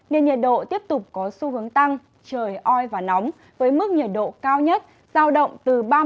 nên nhiệt độ tiếp tục có xu hướng tăng trời oi và nóng với mức nhiệt độ cao nhất giao động từ ba mươi ba đến ba mươi sáu độ